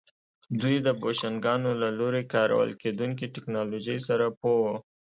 دوی د بوشنګانو له لوري کارول کېدونکې ټکنالوژۍ سره پوه وو